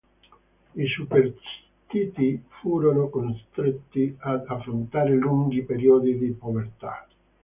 I superstiti furono costretti ad affrontare lunghi periodi di povertà.